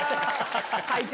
会長？